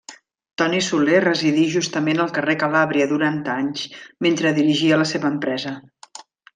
Toni Soler residí justament al carrer Calàbria durant anys, mentre dirigia la seva empresa.